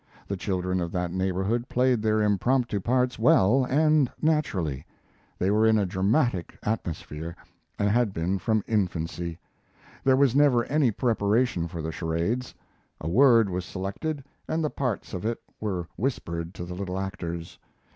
The children of that neighborhood played their impromptu parts well and naturally. They were in a dramatic atmosphere, and had been from infancy. There was never any preparation for the charades. A word was selected and the parts of it were whispered to the little actors.